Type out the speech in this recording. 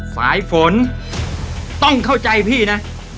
ฝ่ายฝนต้องเข้าใจพี่นะ